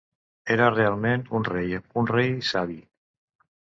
Era realment un rei, un rei savi.